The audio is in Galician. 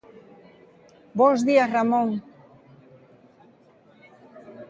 Bos días, Ramón.